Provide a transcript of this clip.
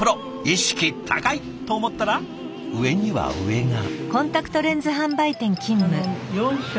意識高い！と思ったら上には上が。